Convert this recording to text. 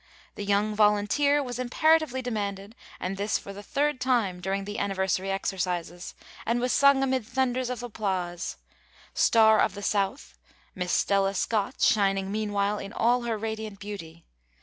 'The Young Volunteer' was imperatively demanded, and this for the third time during the anniversary exercises, and was sung amid thunders of applause, 'Star of the South,' Miss Stella Scott, shining meanwhile in all her radiant beauty.